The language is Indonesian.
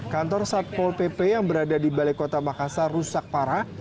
kantor satpol pp yang berada di balai kota makassar rusak parah